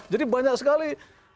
jadi banyak sekali